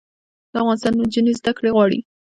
د افغانستان نجونې زده کړې غواړي